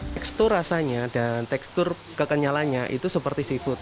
tekstur rasanya dan tekstur kekenyalannya itu seperti seafood